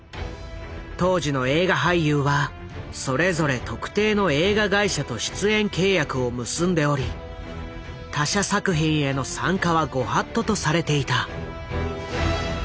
当時の映画俳優はそれぞれ特定の映画会社と出演契約を結んでおり他社作品への参加はご法度とされていた。